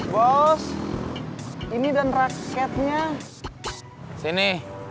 bos ini dan raketnya sini